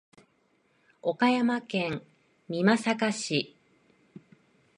岡山県美作市